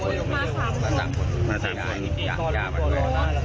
พ่อลูกโดนล้อหน้าทำโบ๊คผมก็เห็นลูกกำลังขึ้นอยู่ขอตอบนะ